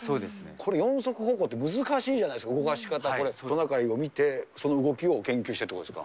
これ、４足歩行って難しいじゃないですか、動かし方、トナカイを見て、その動きを研究してってことですか？